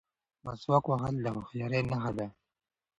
مسواک وهل د هوښیارۍ نښه ده.